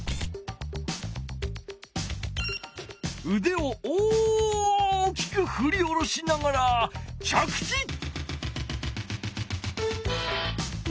うでを大きくふり下ろしながら着地！